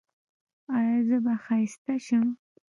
ایا زه به ښایسته شم؟